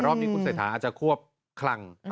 รอบนี้คุณเศรษฐาอาจจะควบคลัง